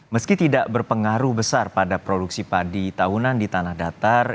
meski tidak berpengaruh besar pada produksi padi tahunan di tanah datar